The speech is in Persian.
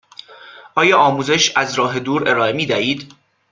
آیا آموزش از راه دور ارائه می دهید؟